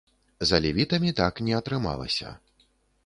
З алевітамі так не атрымалася.